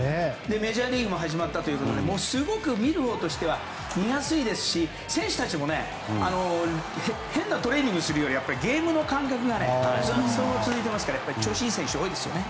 メジャーリーグも始まったということですごく見るほうとしては見やすいですし選手たちも変なトレーニングするよりゲームの感覚がそのまま続いていますから調子がいい選手が多いですよね。